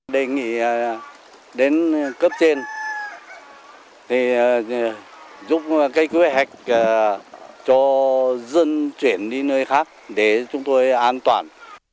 đề nghị đến cấp trên giúp quy hoạch cho dân chuyển đi nơi khác để chúng tôi an toàn